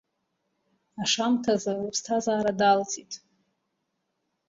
Ашамҭазы лыԥсҭазаара далҵит.